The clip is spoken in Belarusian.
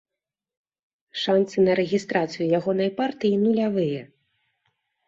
Шанцы на рэгістрацыю ягонай партыі нулявыя.